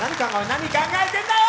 何考えてんだよ！